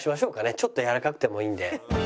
ちょっとやわらかくてもいいんで。